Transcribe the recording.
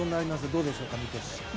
どうでしょうか、見ていて。